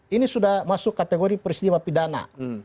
ini sudah masuk kategori peristiwa pidana